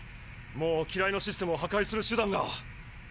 もう機雷のシステムを破壊する手段が。